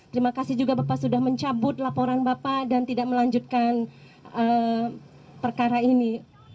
terima kasih juga bapak sudah mencabut laporan bapak dan tidak melanjutkan perkara ini